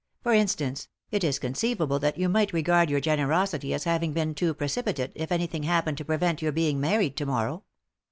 For instance, it is conceivable that you might regard your generosity as having been too precipitate if anything happened to prevent your being married to morrow."